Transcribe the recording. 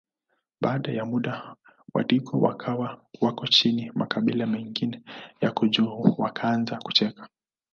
Baada ya muda wadigo wakawa wako chini makabila mengine yako juu Wakaanza kucheka